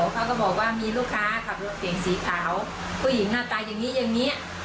เขาก็บอกว่ามีลูกค้าขับรถเก่งสีขาวผู้หญิงหน้าตาอย่างนี้อย่างนี้